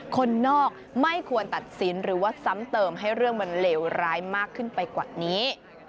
คนนอกไม่ควรตัดสินหรือว่าซ้ำเติมให้เรื่องมันเลวร้ายมากขึ้นไปกว่านี้